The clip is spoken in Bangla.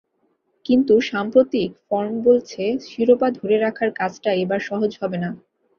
কিন্তু সাম্প্রতিক ফর্ম বলছে, শিরোপা ধরে রাখার কাজটা এবার সহজ হবে না।